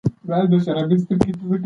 موټر په کوتل کې په ډېر مشکل سره روان و.